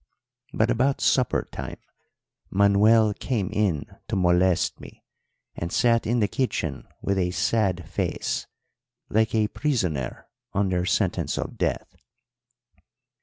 But about supper time Manuel came in to molest me, and sat in the kitchen with a sad face, like a prisoner under sentence of death.